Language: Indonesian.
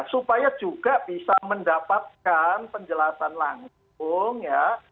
supaya juga bisa mendapatkan penjelasan langsung ya